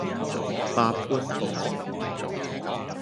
百般奉承